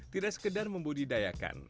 tidak sekedar membudidayakan